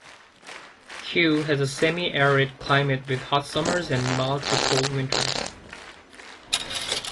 Cue has a semi-arid climate with hot summers and mild to cool winters.